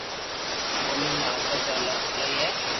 ٻولي ۾ ادب را لفظ ايلائي ھي